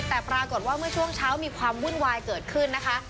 แต่ปรากฏว่าเมื่อช่วงเช้ามีความวุ่นวายเกิดขึ้นนะคะ